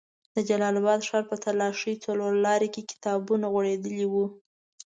د جلال اباد ښار په تالاشۍ څلور لاري کې کتابونه غوړېدلي وو.